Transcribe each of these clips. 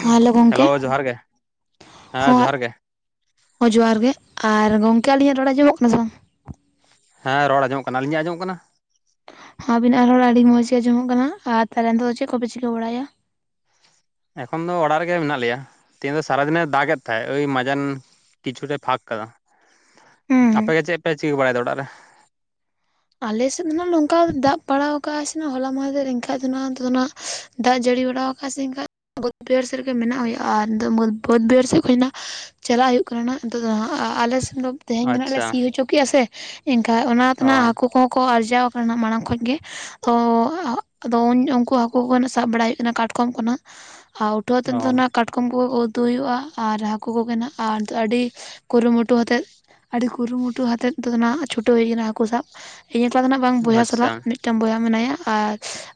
Hello ᱜᱚᱢᱠᱮ ᱡᱚᱦᱟᱨ ᱜᱮ ᱦᱮᱸ ᱦᱚᱸ ᱡᱚᱦᱟᱨ ᱜᱮ ᱦᱚᱸ ᱡᱚᱦᱟᱨ ᱜᱮ, ᱟᱨ ᱜᱚᱝᱠᱮ ᱟᱹᱞᱤᱧᱟᱜ ᱨᱚᱲ ᱟᱸᱚᱢᱚᱜ ᱠᱟᱱᱟ ᱥᱮ ᱵᱟᱝ? ᱦᱮᱸ ᱨᱚᱲ ᱟᱡᱸᱚᱢ ᱠᱟᱱᱟ ᱾ ᱟᱹᱞᱤᱧ ᱟᱸᱡᱚᱜ ᱠᱟᱱᱟ? ᱦᱚᱸ ᱟᱵᱤᱱᱟ ᱦᱚᱸ ᱨᱚᱲ ᱟᱰᱤ ᱢᱚᱸᱡᱽ ᱜᱮ ᱟᱸᱡᱚᱢᱚᱼᱜ ᱠᱟᱱᱟ ᱾ ᱟᱨ ᱛᱟᱦᱚᱞᱮ ᱫᱚ ᱪᱮᱫ ᱠᱚᱯᱮ ᱪᱤᱠᱟᱹ ᱵᱟᱲᱟᱭᱟ᱾ ᱮᱠᱷᱚᱱ ᱫᱚ ᱚᱲᱟᱜ ᱨᱮᱜᱮ ᱢᱮᱱᱟᱜ ᱞᱮᱭᱟ᱾ ᱛᱮᱦᱮᱧ ᱫᱚ ᱥᱟᱨᱟᱫᱤᱱᱮ ᱫᱟᱜᱫ ᱛᱟᱦᱮᱸᱫ ᱳᱭ ᱢᱟᱡᱟᱱ ᱠᱤᱪᱷᱩᱮ ᱴᱟᱜ ᱮᱻ ᱯᱷᱟᱸᱠ ᱠᱟᱫᱟ᱾ ᱦᱩᱸ ᱟᱯᱮᱜᱮ ᱪᱮᱫ ᱯᱮ ᱪᱤᱠᱟᱹ ᱵᱟᱲᱟᱭᱟ ᱚᱲᱟᱜ ᱨᱮ? ᱟᱞᱮ ᱥᱮᱫ ᱫᱚ ᱱᱟᱜ ᱱᱚᱝᱠᱟ ᱫᱟᱜ ᱯᱟᱲᱟᱣ ᱠᱟᱜᱟᱭ ᱥᱮ ᱱᱟᱜ ᱦᱚᱞᱟ ᱢᱟᱦᱫᱨᱮ ᱮᱱᱠᱷᱟᱡ ᱫᱚ ᱱᱟᱜ ᱚᱱᱛᱮ ᱫᱚ ᱦᱟᱸᱱᱟᱜ ᱫᱟᱜ ᱡᱟᱹᱲᱤ ᱵᱟᱲᱟᱣ ᱠᱟᱟᱭᱼᱟ ᱥᱮ ᱮᱱᱠᱷᱟᱱ ᱵᱟᱹᱫᱽ ᱵᱟᱹᱭᱦᱟᱹᱲ ᱥᱮᱫ ᱨᱮᱜᱮ ᱢᱮᱱᱟᱜ ᱦᱩᱭᱩᱜᱼᱟ᱾ [unintelligible] ᱵᱟᱹᱫᱽ ᱵᱟᱹᱭᱦᱟᱹᱲ ᱥᱮᱫ ᱠᱷ ᱦᱱᱟᱜ ᱪᱟᱞᱟᱜ ᱦᱩᱭᱩᱜ ᱠᱟᱱ ᱱᱟᱸᱦ ᱱᱤᱛᱚᱜ ᱫᱚ ᱦᱟᱸ ᱟᱞᱮ ᱥᱮᱱ ᱫᱚ ᱛᱮᱦᱮᱧ ᱜᱮ ᱱᱟᱸᱜ ᱞᱮ ᱟᱪᱪᱷᱟ ᱥᱤ ᱦᱚᱪᱚ ᱠᱮ ᱟ ᱥᱮ ᱮᱱᱠᱷᱟᱡ ᱚᱱᱟ ᱛᱮᱱᱟᱜ ᱚ ᱦᱟᱹᱠᱩ ᱠᱚᱦᱚᱸ ᱠᱚ ᱟᱨᱡᱟᱣ ᱟᱠᱟᱱᱟ ᱟᱜ ᱢᱟᱲᱟᱝ ᱠᱷᱚᱡ ᱜᱮ᱾ ᱚ ᱟᱫᱚ ᱩᱱᱠᱩ ᱦᱟᱹᱠᱩ ᱠᱚᱱᱟᱜ ᱥᱟᱵ ᱵᱟᱲᱟᱭ ᱦᱩᱭᱩᱜ ᱠᱟᱱᱟ ᱠᱟᱴᱠᱚᱢ ᱠᱷᱚᱱᱟᱸᱜ ᱩᱴᱷᱟᱣ ᱟᱛᱮ ᱚ ᱫᱚ ᱱᱟᱸᱜ ᱠᱟᱴ ᱠᱚᱢ [unintelligible] ᱩᱛᱩ ᱦᱩᱭᱩᱜᱼᱟ ᱟᱨ ᱦᱟᱹᱠᱩ ᱠᱚᱜᱮ ᱟᱨ ᱟᱹᱰᱤ ᱠᱩᱨᱩ ᱢᱩᱴᱩ ᱦᱟᱛᱮᱫ ᱟᱹᱰᱤ ᱠᱩᱨᱩ ᱢᱩᱴᱩ ᱦᱟᱛᱮᱫ ᱫᱚ ᱱᱟ ᱱᱟᱜ ᱪᱷᱩᱴᱟᱹᱣ ᱦᱩᱭ ᱟᱠᱟᱱᱟ ᱦᱟᱹᱠᱩ ᱥᱟᱵ ᱤᱧ ᱮᱠᱞᱟ ᱫᱚ ᱱᱟᱸᱜ ᱵᱟᱝ ᱵᱚᱭᱦᱟ ᱟᱪᱪᱷᱟ ᱥᱟᱞᱟᱜ ᱢᱤᱫᱴᱟᱱ ᱵᱚᱭᱦᱟ ᱢᱮᱱᱟᱭᱟ ᱟᱨ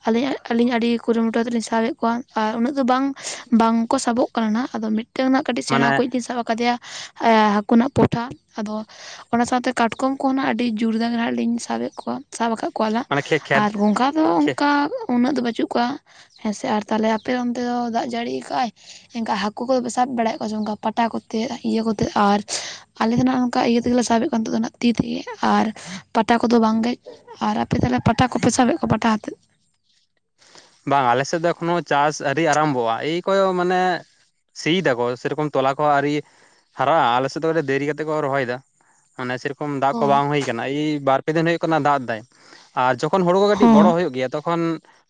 ᱟᱹᱞᱤᱧ ᱟᱹᱞᱤᱧ ᱟᱹᱰᱤ ᱠᱩᱨᱩ ᱢᱩᱴᱩ ᱟᱛᱮᱫ ᱞᱤᱧ ᱥᱟᱵᱮᱫ ᱠᱚᱣᱟ ᱟᱨ ᱩᱱᱟᱹᱜ ᱫᱚ ᱵᱟᱝ ᱵᱟᱝ ᱠᱚ ᱥᱟᱵᱚᱜ ᱠᱟᱱᱟ ᱱᱟᱸᱜ ᱟᱫᱚ ᱢᱤᱫᱴᱟᱝ ᱱᱟᱸᱜ ᱠᱟᱹᱴᱤᱡᱽ ᱢᱟᱱᱮ ᱥᱮᱬᱟ ᱠᱚᱣᱤᱡᱽ ᱞᱤᱧ ᱥᱟᱵ ᱠᱟᱫᱮᱭᱟ᱾ ᱦᱟᱹᱠᱩ ᱱᱟᱸᱜ ᱯᱚᱴᱷᱟ ᱟᱫᱚ ᱚᱱᱟ ᱥᱟᱶᱛᱮ ᱠᱟᱴᱠᱚᱢ ᱠᱚᱦᱚᱸᱱᱟᱜ ᱟᱹᱰᱤ ᱡᱳᱨᱫᱟᱨ [unintelligible] ᱧ ᱥᱟᱵᱮᱫ ᱠᱚᱣᱟ ᱥᱟᱵ ᱟᱠᱟᱫ ᱠᱚᱣᱟᱞᱟ ᱢᱟᱱᱮ ᱠᱷᱮ ᱠᱷᱮᱛ ᱟᱨ ᱜᱚᱝᱜᱷᱟ ᱫᱚ ᱚᱱᱠᱟ ᱩᱱᱟᱹᱜ ᱫᱚ ᱵᱟᱹᱪᱩᱜ ᱠᱚᱣᱟ᱾ ᱦᱮᱸᱥᱮ ᱟᱨ ᱛᱟᱦᱚᱞᱮ ᱟᱯᱮ ᱚᱱᱛᱮ ᱫᱚ ᱫᱟᱜᱽ ᱡᱟᱹᱲᱤ ᱠᱟᱜᱼ ᱟᱭ? ᱮᱱᱠᱟ ᱦᱟᱹᱠᱩ ᱠᱚᱫᱚ ᱥᱟᱵ ᱵᱟᱲᱟᱭᱮᱫ ᱠᱚᱣᱟ ᱥᱮ ᱚᱱᱠᱟ ᱯᱟᱴᱟ ᱠᱚᱛᱮ ᱤᱭᱟᱹ ᱠᱚᱛᱮ ᱟᱨ ᱟᱞᱮ ᱫᱚ ᱱᱟᱸᱜ ᱤᱭᱟᱹ ᱛᱮᱜᱮᱞᱮ ᱥᱟᱵᱮᱫ ᱱᱤᱛᱚᱜ ᱫᱚ ᱱᱟᱸᱜ ᱛᱤ ᱛᱮᱜᱮ ᱟᱨ ᱯᱟᱴᱟ ᱠᱚᱫᱚ ᱵᱟᱝ ᱜᱮ ᱟᱨ ᱟᱯᱮ ᱛᱟᱦᱚᱞᱮ ᱯᱟᱴᱟ ᱠᱚᱯᱮ ᱥᱟᱵᱮᱫ ᱠᱚᱣᱟ ᱯᱟᱴᱟ ᱦᱟᱛᱮᱫ ᱵᱟᱝ ᱟᱞᱮ ᱥᱮᱫᱽ ᱫᱚ ᱮᱠᱷᱚᱱᱚ ᱪᱟᱥ ᱟᱹᱨᱤ ᱟᱨᱟᱢᱵᱷᱚᱜᱼᱟ ᱮᱭ ᱠᱚᱭᱚ ᱢᱟᱱᱮ ᱥᱤᱭ ᱫᱟᱠᱚ ᱥᱮᱨᱚᱠᱚᱢ ᱛᱚᱞᱟ ᱠᱚ ᱟᱨᱤ ᱦᱟᱨᱟᱜ-ᱟ ᱟᱞᱮ ᱥᱮᱫ ᱫᱚ ᱫᱮᱨᱤ ᱠᱟᱛᱮᱫ ᱠᱚ ᱨᱚᱦᱚᱭ ᱮᱫᱟ ᱢᱟᱱᱮ ᱥᱮ ᱠᱚᱢ ᱫᱟᱜᱽ ᱠᱚ ᱦᱚᱸ ᱵᱟᱝ ᱦᱩᱭ ᱠᱟᱱᱟ ᱮᱭ ᱵᱟᱨ ᱯᱮ ᱫᱤᱱ ᱦᱩᱭᱩᱜ ᱠᱟᱱᱟ ᱫᱟᱜᱽ ᱫᱟᱭ᱾ ᱟᱨ ᱡᱚᱠᱷᱚᱱ ᱦᱳᱲᱳ ᱠᱚ ᱠᱟᱹᱴᱤᱡᱽ ᱦᱚᱸ ᱵᱚᱲᱚ ᱦᱩᱭᱩᱜ ᱜᱮᱭᱟ ᱛᱚᱠᱷᱚᱱ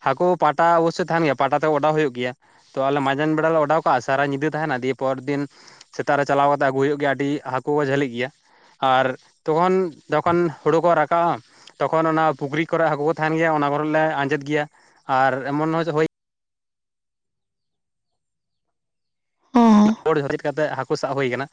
ᱦᱟᱹᱠᱩ ᱯᱟᱴᱟ ᱚᱵᱚᱥᱥᱳᱭ ᱛᱟᱦᱮᱱ ᱜᱮᱭᱟ ᱯᱟᱴᱟ ᱛᱮ ᱚᱰᱟᱣ ᱦᱩᱭᱩᱜ ᱜᱮᱭᱟ᱾ ᱛᱚ ᱟᱞᱮ ᱢᱟᱡᱟᱱ ᱵᱮᱲᱟ ᱞᱮ ᱚᱰᱟᱣ ᱠᱟᱜᱼᱟ ᱥᱟᱨᱟ ᱧᱤᱫᱟᱹ ᱛᱟᱦᱮᱱᱟ ᱫᱤᱭᱮ ᱯᱚᱨ ᱫᱤᱱ ᱥᱮᱛᱟᱜ ᱨᱮ ᱪᱟᱞᱟᱣ ᱠᱟᱛᱮᱜ ᱟᱹᱜᱩᱭ ᱦᱩᱭᱩᱜ ᱜᱮᱭᱟ ᱟᱹᱰᱤ ᱦᱟᱹᱠᱩ ᱠᱚ ᱡᱷᱟᱹᱞᱤᱜ ᱜᱮᱭᱟ᱾ ᱟᱨ ᱛᱚᱠᱷᱚᱱ ᱫᱚᱠᱷᱚᱱ ᱦᱩᱲᱩ ᱠᱚ ᱨᱟᱠᱟᱵᱼᱟ ᱛᱚᱠᱷᱚᱱ ᱚᱱᱟ ᱯᱩᱠᱷᱨᱤ ᱠᱚᱨᱮᱜ ᱦᱟᱹᱠᱩ ᱠᱚ ᱛᱟᱦᱮᱱ ᱜᱮᱭᱟ ᱚᱱᱟ ᱠᱚᱨᱮ ᱞᱮ ᱟᱸᱡᱮᱫᱽ ᱜᱮᱭᱟ ᱟᱨ ᱮᱢᱚᱱ ᱦᱳᱭ ᱦᱚᱸ ᱠᱟᱛᱮ ᱦᱟᱹᱠᱩ ᱥᱟᱵᱽ ᱦᱩᱭ ᱠᱟᱱᱟ